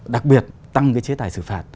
đặc biệt tăng cái chế tài xử phạt